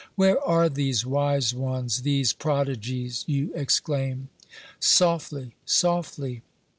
Where are these wise ones, these prodigies ?— you exclaim. Softly, softly